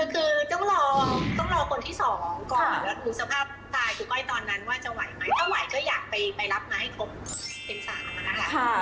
คือที่เป็นศาลนั้น